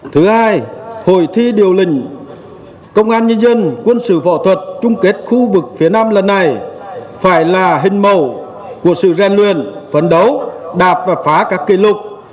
thứ hai hội thi điều lình công an nhân dân quân sự võ thuật trung kết khu vực phía nam lần này phải là hình màu của sự gian luyện phấn đấu đạp và phá các kỷ lục